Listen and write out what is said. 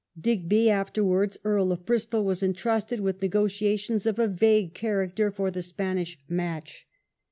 Digby, afterwards Earl of Bristol, was intrusted with negotiations of a vague character for the Spanish match.